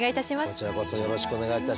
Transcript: こちらこそよろしくお願いいたします。